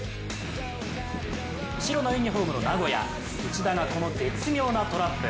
白のユニフォームの名古屋内田がこの絶妙なトラップ。